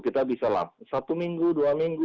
kita bisa satu minggu dua minggu